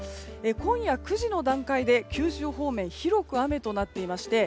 今夜９時の段階で九州方面広く雨となっていまして